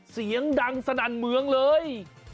เสียงดังสนั่นเมืองเลย